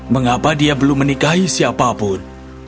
mengapa dia belum menikahi siapapun